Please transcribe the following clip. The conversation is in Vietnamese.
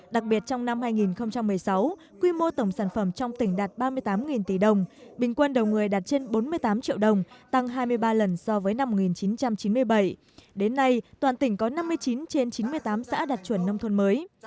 đặc biệt trong năm hai nghìn một mươi sáu quy mô tổng sản phẩm trong tỉnh đạt ba mươi tám tỷ đồng bình quân đầu người đạt trên bốn mươi tám triệu đồng tăng hai mươi ba lần so với năm một nghìn chín trăm chín mươi bảy đến nay toàn tỉnh có năm mươi chín trên chín mươi tám xã đạt chuẩn nông thôn mới